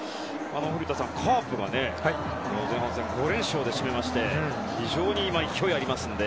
古田さん、カープが前半戦５連勝で締めまして非常に勢いがありますので。